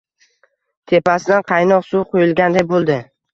Tepasidan qaynoq suv quyilganday bo'ldi.